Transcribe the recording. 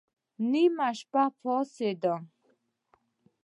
نيمه شپه پاڅېدم.